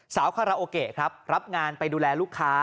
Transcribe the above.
คาราโอเกะครับรับงานไปดูแลลูกค้า